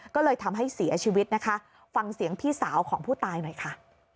ก็เลยทำให้เสียชีวิตนะคะฟังเสียงพี่สาวของผู้ตายหน่อยค่ะ